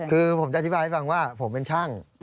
คือผมจะอธิบายให้ฟังว่าผมเป็นช่าง